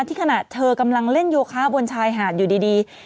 ขณะเธอกำลังเล่นโยคะบนชายหาดอยู่ดี